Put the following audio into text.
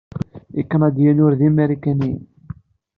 Ikanadiyen ur d imarikaniyen.